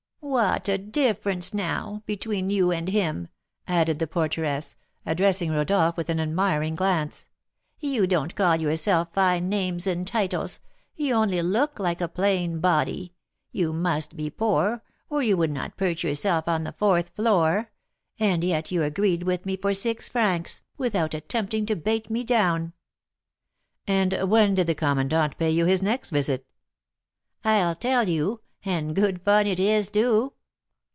What a difference, now, between you and him!" added the porteress, addressing Rodolph with an admiring glance. "You don't call yourself fine names and titles, you only look like a plain body, you must be poor, or you would not perch yourself on the fourth floor; and yet you agreed with me for six francs, without attempting to bate me down!" "And when did the commandant pay you his next visit?" "I'll tell you, and good fun it is, too.